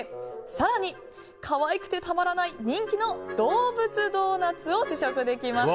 更に、可愛くてたまらない人気のどうぶつドーナツを試食できます。